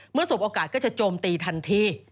เมื่อสวบโอกาสก็จะโจมตีทันที